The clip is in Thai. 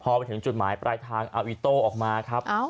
พอไปถึงจุดหมายปลายทางเอาอิโต้ออกมาครับ